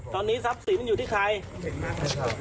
ตอนนี้ทรัพย์สี่มันอยู่ที่ใคร